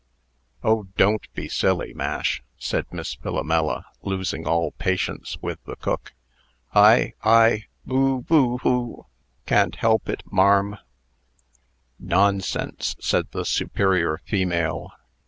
"Oh! don't be silly. Mash!" said Miss Philomela, losing all patience with the cook. "I I boo boo hoo! can't help it, marm." "Nonsense!" said the superior female.